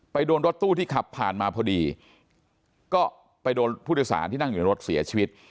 โดนรถตู้ที่ขับผ่านมาพอดีก็ไปโดนผู้โดยสารที่นั่งอยู่ในรถเสียชีวิต